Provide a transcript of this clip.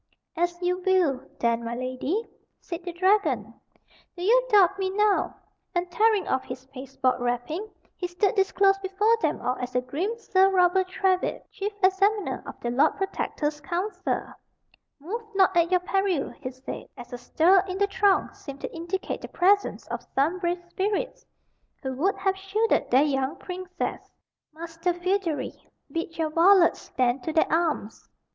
"As you will, then, my lady," said the dragon. "Do you doubt me now?" and, tearing off his pasteboard wrapping, he stood disclosed before them all as the grim Sir Robert Trywhitt, chief examiner of the Lord Protector's council. "Move not at your peril," he said, as a stir in the throng seemed to indicate the presence of some brave spirits who would have shielded their young princess. "Master Feodary, bid your varlets stand to their arms."